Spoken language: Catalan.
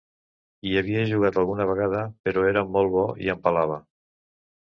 Hi havia jugat alguna vegada, però era molt bo i em pelava.